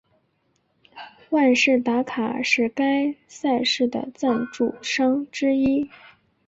万事达卡是该赛事的赞助商之一。